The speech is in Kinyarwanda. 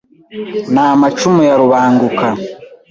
Ni amacumu ya Rubanguka